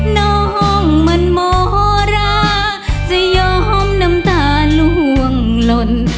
น้องมันโมโหราจะยอมน้ำตาล่วงหล่น